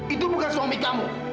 itu bukan suami kamu